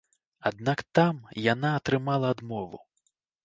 Аднак там яна атрымала адмову.